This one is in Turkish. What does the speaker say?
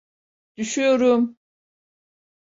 Düşüyorum!